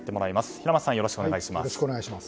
平松さん、よろしくお願いします。